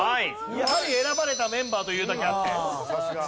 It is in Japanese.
やはり選ばれたメンバーというだけあって。